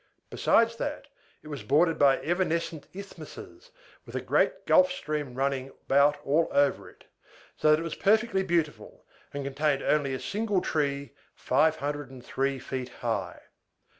Besides that, it was bordered by evanescent isthmuses, with a great gulf stream running about all over it; so that it was perfectly beautiful, and contained only a single tree, 503 feet high.